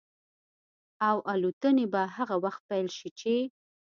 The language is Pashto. او الوتنې به هغه وخت پيل شي چې